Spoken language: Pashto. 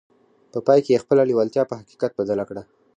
په پای کې يې خپله لېوالتیا په حقيقت بدله کړه.